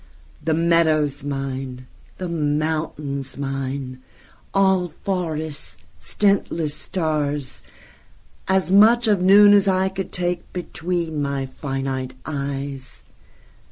The meadows mine, the mountains mine,—All forests, stintless stars, As much of noon as I could takeBetween my finite eyes.